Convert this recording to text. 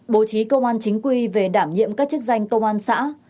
bố trí công an chính quy về đảm nhiệm các chức danh công an xã